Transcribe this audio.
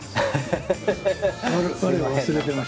ハハハハ！